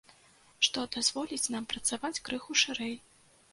Што дазволіць нам працаваць крыху шырэй.